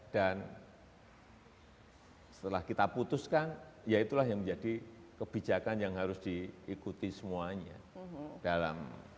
setelah kita putuskan ya itulah yang menjadi kebijakan yang harus diikuti semuanya dalam